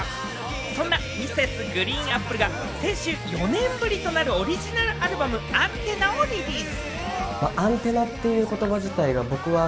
そんなＭｒｓ．ＧＲＥＥＮＡＰＰＬＥが先週、４年ぶりとなるオリジナルアルバム『ＡＮＴＥＮＮＡ』をリリース。